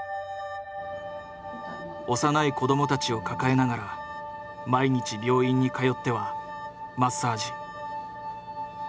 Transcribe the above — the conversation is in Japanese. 幼い子どもたちを抱えながら毎日病院に通ってはマッサージ。